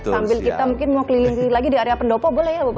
sambil kita mungkin mau keliling lagi di area pendopo boleh ya bapak